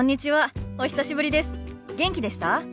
元気でした？